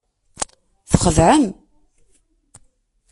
Txedɛem.